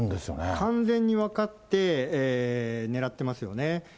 完全に分かって、狙ってますよね。